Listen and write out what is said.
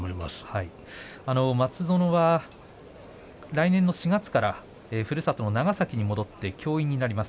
松園は来年の４月からふるさとの長崎に戻って教員になります。